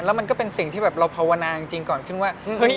แล้วมันก็เป็นสิ่งที่แบบเราภาวนาจริงก่อนขึ้นว่า